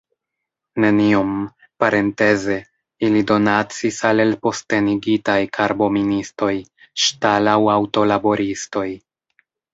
Neniom, parenteze, ili donacis al elpostenigitaj karboministoj, ŝtal- aŭ aŭto-laboristoj.